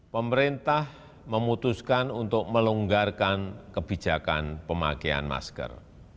pemerintah memutuskan untuk melonggarkan kebijakan pemakaian masker